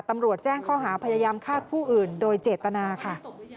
ตำรวจแจ้งข้อหาพยายามฆ่าผู้อื่นโดยเจตนาค่ะ